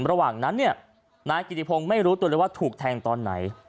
ระหว่างนั้นเนี่ยนายกิติพงศ์ไม่รู้ตัวเลยว่าถูกแทงตอนไหน